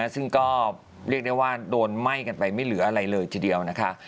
ซึ่งก็เรียกได้ว่าโดนไหม้กันไปไม่เหลืออะไรเลยทีเดียวนะคะ